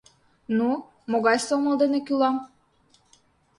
— Ну, могай сомыл дене кӱлам?